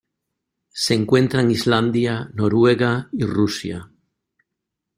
Se encuentra en Islandia, Noruega y Rusia.